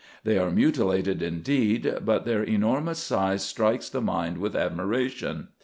They are mutilated indeed, but their enormous size strikes the mind with admiration.